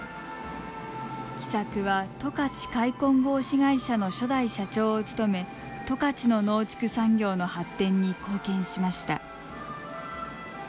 喜作は十勝開墾合資会社の初代社長を務め十勝の農畜産業の発展に貢献しました。